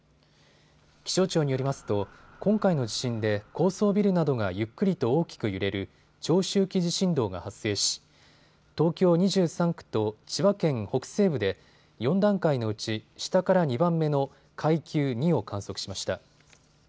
気象庁によりますと今回の地震で高層ビルなどがゆっくりと大きく揺れる長周期地震動が発生し東京２３区と千葉県北西部で４段階のうち下から２番目の階級２を観測しました。